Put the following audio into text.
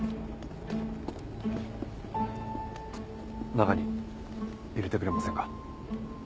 中に入れてくれませんか？